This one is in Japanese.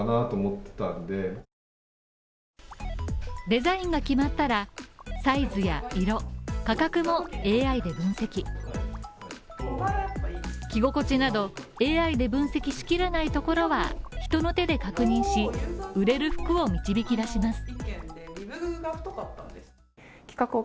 デザインが決まったら、サイズや色、価格もＡＩで分析着心地などをＡＩで分析しきれないところは人の手で確認し売れる服を導き出します。